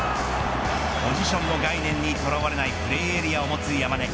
ポジションの概念に捉われないプレーエリアを持つ山根。